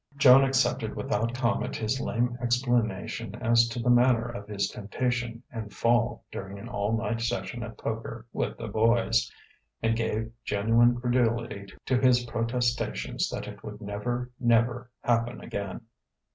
Joan accepted without comment his lame explanation as to the manner of his temptation and fall during an all night session at poker "with the boys," and gave genuine credulity to his protestations that it would never, never happen again.